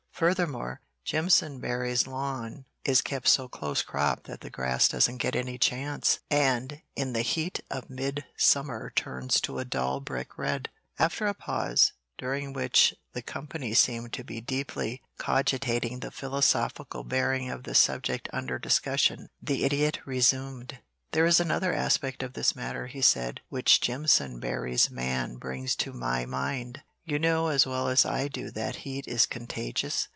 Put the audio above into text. Furthermore, Jimpsonberry's lawn is kept so close cropped that the grass doesn't get any chance, and in the heat of midsummer turns to a dull brick red." After a pause, during which the company seemed to be deeply cogitating the philosophical bearing of the subject under discussion, the Idiot resumed: "There is another aspect of this matter," he said, "which Jimpsonberry's man brings to my mind. You know as well as I do that heat is contagious.